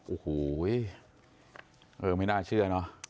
โอ้โหเออไม่น่าเชื่อเนอะ